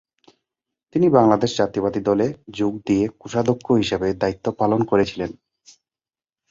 তিনি বাংলাদেশ জাতীয়তাবাদী দলে যোগ দিয়ে কোষাধ্যক্ষ হিসাবে দায়িত্ব পালন করেছিলেন।